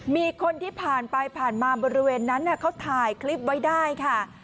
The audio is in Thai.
มีคนที่ผ่านไปผ่านมาบริเวณนั้นเขาถ่ายคลิปไว้ได้ค่ะ